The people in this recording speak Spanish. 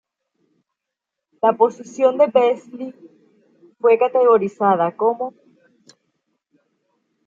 La posición de Beazley fue categorizada como.